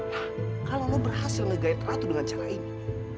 hah kalau lo berhasil nge guide ratu dengan cara ini